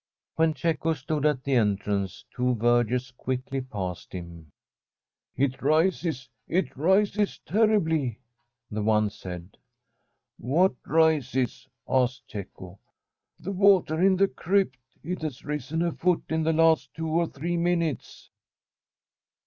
When Cecco stood at the entrance, two vergers quickly passed him. ' It rises — it rises terribly !' the one said. ' What rises ?' asked Cecco. * The water in the crypt. It has risen a foot in the last two or three minutes.'